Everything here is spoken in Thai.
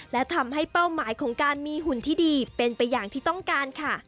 และทำให้เป้าหมายของการมีหุ่นที่ดีเป็นไปอย่างที่ต้องการค่ะ